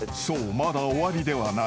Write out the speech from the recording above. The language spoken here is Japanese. まだ終わりではない。